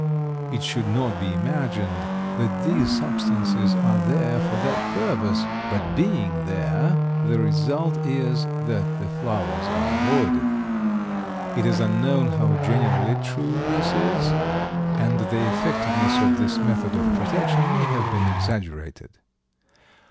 It should not be imagined that these substances are there for that purpose, but being there the result is that the flowers are avoided. It is unknown how generally true this is, and the effectiveness of this method of protection may have been exaggerated.